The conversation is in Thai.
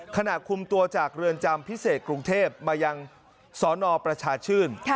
ขณะคุมตัวจากเรือนจำพิเศษกรุงเทพมายังสนประชาชื่น